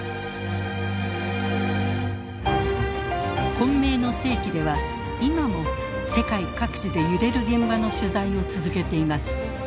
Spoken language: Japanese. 「混迷の世紀」では今も世界各地で揺れる現場の取材を続けています。